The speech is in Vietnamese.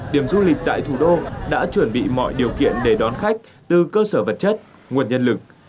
điểm du lịch tại thủ đô đã chuẩn bị mọi điều kiện để đón khách từ cơ sở vật chất nguồn nhân lực